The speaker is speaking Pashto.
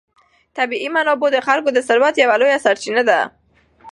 طبیعي منابع د خلکو د ثروت یوه لویه سرچینه ده.